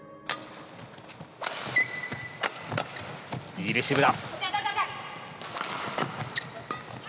いいレシーブだ。